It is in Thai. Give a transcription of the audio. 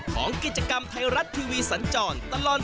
ของกิจกรรมไทรัตว์ทีวีสันจร